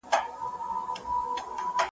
چي په تا یې رنګول زاړه بوټونه `